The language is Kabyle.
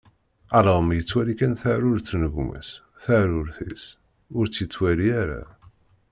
Alɣem yettwali kan taɛrurt n gma-s, taɛrurt-is ur tt-yettwali ara.